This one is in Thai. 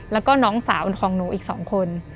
แล้วก็น้องสาวของหนูอีก๒คน